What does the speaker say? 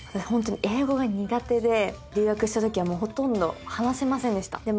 本当に英語が苦手で留学した時はもうほとんど話せませんでした。